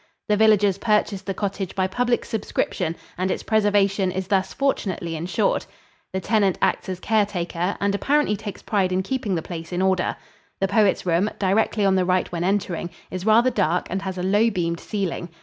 The villagers purchased the cottage by public subscription and its preservation is thus fortunately insured. The tenant acts as caretaker and apparently takes pride in keeping the place in order. The poet's room, directly on the right when entering, is rather dark, and has a low beamed ceiling.